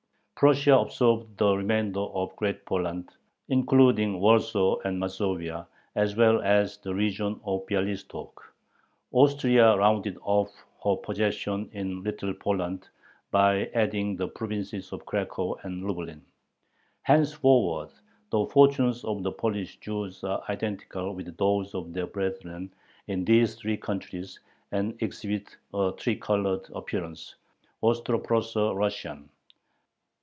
Prussia absorbed the remainder of Great Poland, including Warsaw and Mazovia, as well as the region of Bialystok. Austria rounded off her possessions in Little Poland by adding the provinces of Cracow and Lublin. Henceforward the fortunes of the Polish Jews are identical with those of their brethren in these three countries, and exhibit a "tricolored" appearance Austro Prusso Russian.